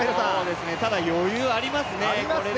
ただ、余裕ありますね。